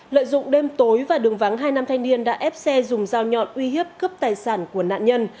lợi dụng đêm tối và đường vắng hai nam thanh niên đã ép xe dùng dao nhọn uy hiếp cướp tài sản của nạn nhân